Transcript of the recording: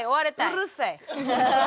うるさい！